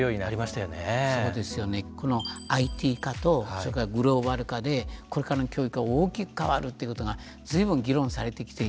このＩＴ化とそれからグローバル化でこれからの教育は大きく変わるっていうことが随分議論されてきていたの。